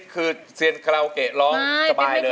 คือเซียนคาราโอเกะร้องสบายเลย